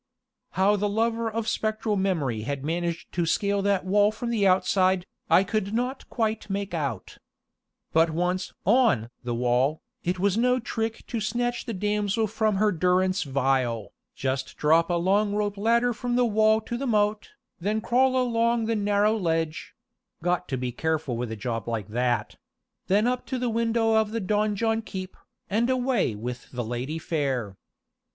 How the lover of spectral memory had managed to scale that wall from the outside, I could not quite make out. But once on the wall, it was no trick to snatch the damsel from her durance vile. Just drop a long rope ladder from the wall to the moat, then crawl along the narrow ledge got to be careful with a job like that then up to the window of the donjon keep, and away with the Lady Fair.